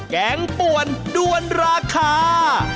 แกงป่วนด้วนราคา